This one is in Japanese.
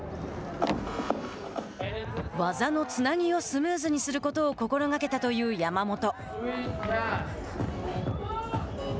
技のつなぎをスムーズにすることを心がけたという山本。